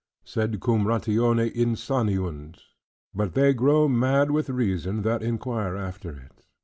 "Sed cum ratione insaniunt," but "they grow mad with reason," that inquire after it.